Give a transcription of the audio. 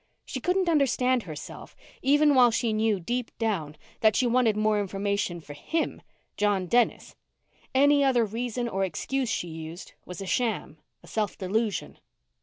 She couldn't understand herself, even while she knew, deep down, that she wanted more information for him John Dennis. Any other reason or excuse she used was a sham, a self delusion.